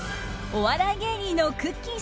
お笑い芸人のくっきー！